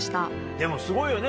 でもすごいよね。